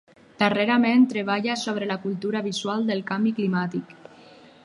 Darrerament, treballa sobre la cultura visual del canvi climàtic.